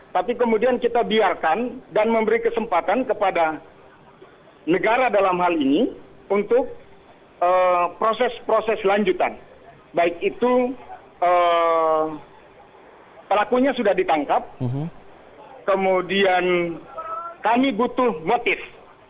tapi kemudian kita biarkan dan memberi kesempatan kepada negara dalam hal ini untuk proses proses lanjutan baik itu pelakunya sudah ditangkap kemudian kami butuh motif